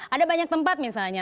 ada banyak tempat misalnya